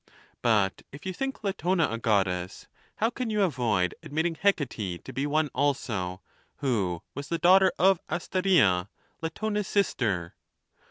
But if you think Latona a Goddess, how can you avoid admitting Hecate to be one also, who was the daughter of Asteria, Latona's sister